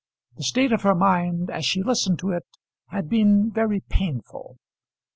The state of her mind as she listened to it had been very painful.